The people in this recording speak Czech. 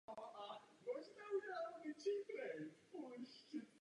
V současnosti tým trénuje bývalý španělský fotbalista Vicente Moreno.